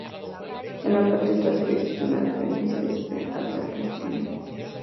En la parte trasera existe una dependencia destinada a sacristía.